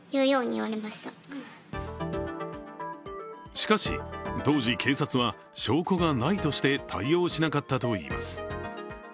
しかし、当時、警察は証拠がないとして対応しなかったといいます。